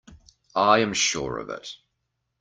I am sure of it.